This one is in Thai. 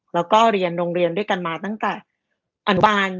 แล้วก็เรียนโรงเรียนด้วยกันมาตั้งแต่อนุบาล